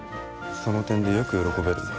その点でよく喜べるな。